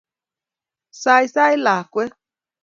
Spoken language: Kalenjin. Saisai lakwet